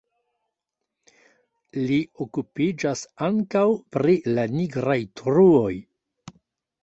Li okupiĝas ankaŭ pri la nigraj truoj.